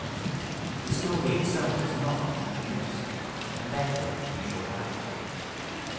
The story itself is not, much amiss, and therefore you shall have it.